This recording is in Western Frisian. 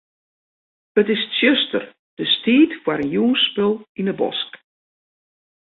It is tsjuster, dus tiid foar in jûnsspul yn 'e bosk.